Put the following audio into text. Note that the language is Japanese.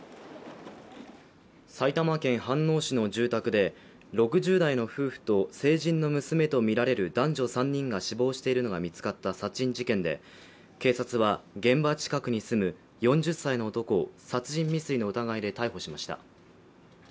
埼玉県飯能市の住宅で６０代の夫婦と成人の娘とみられる男女３人が死亡しているのが見つかった殺人事件で、警察は現場近くに住む４０歳の男を殺人未遂の疑いで逮捕しました。